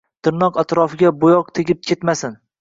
Tirnoq atrofiga boyoq tegib ketmasin